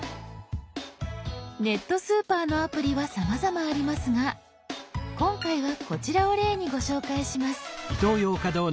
ネットスーパーのアプリはさまざまありますが今回はこちらを例にご紹介します。